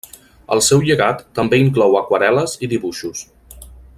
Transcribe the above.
El seu llegat també inclou aquarel·les i dibuixos.